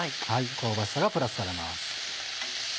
香ばしさがプラスされます。